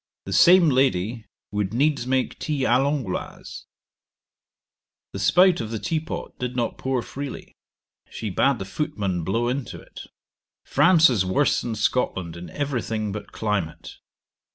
The same lady would needs make tea Ã l'Angloise. The spout of the tea pot did not pour freely; she bad the footman blow into it. France is worse than Scotland in every thing but climate.